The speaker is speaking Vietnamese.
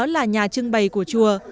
là nhà trưng bày của chùa